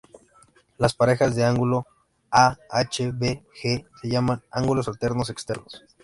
Las parejas de ángulos: a,h; b,g se llaman ángulos alternos externos.